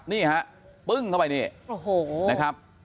นี่ฮะปึ้งเข้าไปนี่โอ้โหนะครับ